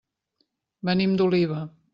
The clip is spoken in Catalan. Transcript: Venim d'Oliva.